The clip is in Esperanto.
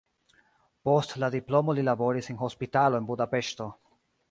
Post la diplomo li laboris en hospitalo en Budapeŝto.